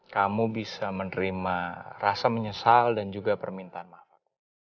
kamu bisa menerima rasa menyesal dan juga permintaan maaf